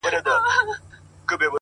اوس يې څنگه ښه له ياده وباسم ـ